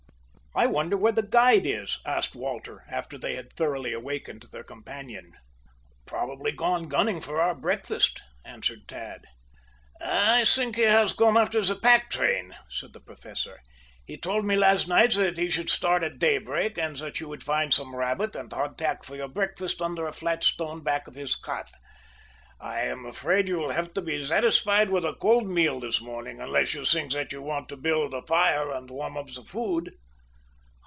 "I wonder where the guide is?" asked Walter, after they had thoroughly awakened their companion. "Probably gone gunning for our breakfast," answered Tad. "I think he has gone after the pack train," said the Professor. "He told me last night that he should start at daybreak, and that you would find some rabbit and hard tack for your breakfast under a flat stone back of his cot. I am afraid you will have to be satisfied with a cold meal this morning, unless you think you want to build a fire and warm up the food."